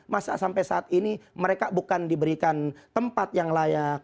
masa sampai saat ini mereka bukan diberikan tempat yang layak